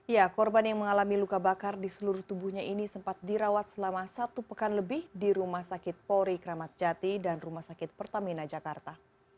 ya korban yang mengalami luka bakar di seluruh tubuhnya ini sempat dirawat selama satu pekan lebih di rumah sakit polri kramat jati dan rumah sakit pertamina jakarta